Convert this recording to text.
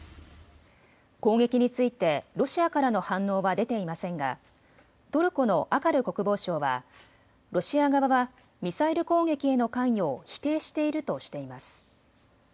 攻撃についてロシアからの反応は出ていませんがトルコのアカル国防相はロシア側はミサイル攻撃への関与を否定しているとしています。